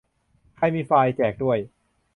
ใครมีไฟล์ แจกด้วย